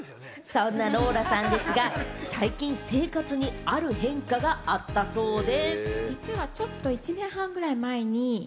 そんなローラさんですが、最近生活にある変化があったそうで。